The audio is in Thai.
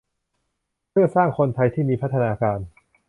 เพื่อสร้างคนไทยที่มีพัฒนาการ